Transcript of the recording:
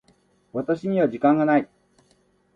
私には時間がない。